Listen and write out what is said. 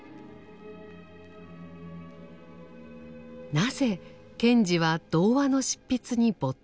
なぜ賢治は童話の執筆に没頭したのか。